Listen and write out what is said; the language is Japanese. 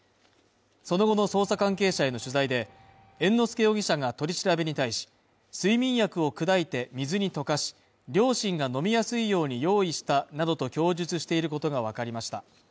その後の捜査関係者への取材で、猿之助容疑者が取り調べに対し、睡眠薬を砕いて水に溶かし両親が飲みやすいように用意したなどと供述していることがわかりました。